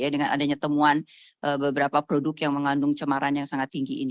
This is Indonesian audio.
dengan adanya temuan beberapa produk yang mengandung cemaran yang sangat tinggi ini